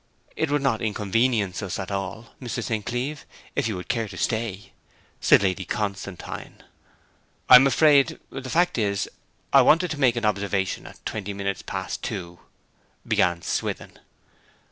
'It would not inconvenience us at all, Mr. St. Cleeve, if you would care to stay,' said Lady Constantine. 'I am afraid the fact is, I wanted to take an observation at twenty minutes past two,' began Swithin.